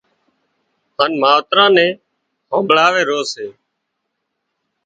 هانَ ماوتران نين همڀاۯي رو سي